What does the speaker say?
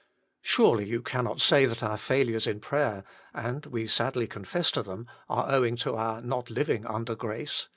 Surely you cannot say that our failures in prayer, and we sadly confess to them, are owing to our not living " under grace